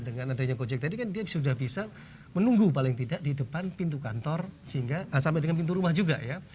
dengan adanya gojek tadi kan dia sudah bisa menunggu paling tidak di depan pintu kantor sehingga sampai dengan pintu rumah juga ya